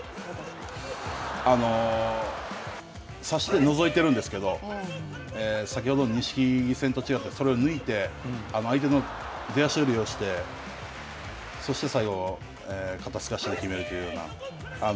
差してのぞいているんですけど、先ほど錦木戦と違って、それを抜いて、相手の出足を利用して、そして最後、肩透かしで決めるというような。